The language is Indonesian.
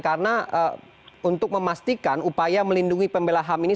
karena untuk memastikan upaya melindungi pembelahan ini